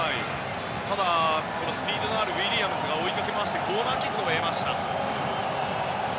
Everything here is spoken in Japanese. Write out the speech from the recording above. ただ、スピードのあるウィリアムズが追いかけましてコーナーキックを得ました。